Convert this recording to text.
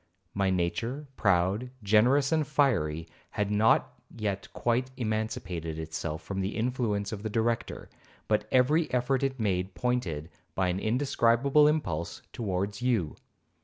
My nature, proud, generous, and fiery, had not yet quite emancipated itself from the influence of the Director, but every effort it made pointed, by an indescribable impulse, towards you.